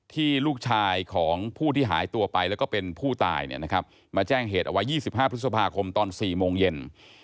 ที่ลูกชายของผู้ที่หายตัวไปแล้วก็เป็นผู้ตายเนี่ยนะครับมาแจ้งเหตุเอาไว้ยี่สิบห้าพฤษภาคมตอนสี่โมงเย็น